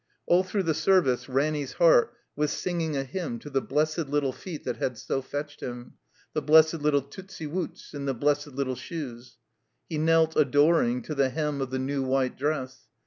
All through the service Ranny's heart was singing a hymn to the blessed little feet that had so fetched him, the blessed little tootsy woots in the blessed little shoes. He knelt, adoring, to the hem of the new white dress.